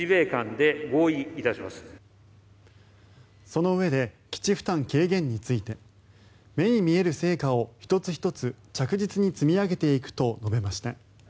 そのうえで基地負担軽減について目に見える成果を１つ１つ着実に積み上げていくと述べました。